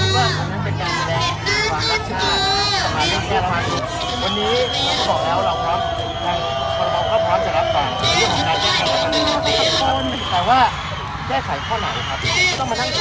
แต่มันเป็นการแสดงที่เราแตกต่างจากประเทศอื่นอีก